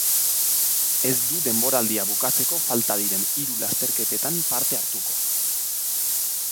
Ez du denboraldia bukatzeko falta diren hiru lasterketetan parte hartuko.